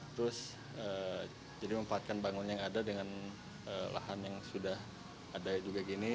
terus jadi memanfaatkan bangunan yang ada dengan lahan yang sudah ada juga gini